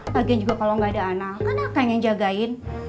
lagian juga kalau gak ada anak kan aku yang jagain